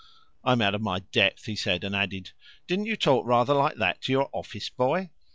"I'm out of my depth," he said, and added: "Didn't you talk rather like that to your office boy?"